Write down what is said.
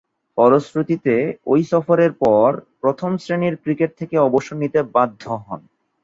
ফলশ্রুতিতে ঐ সফরের পর প্রথম-শ্রেণীর ক্রিকেট থেকে অবসর নিতে বাধ্য হন।